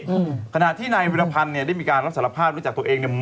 อืมขณะที่นายวิรพันธ์เนี่ยได้มีการรับสารภาพรู้จักตัวเองเนี้ย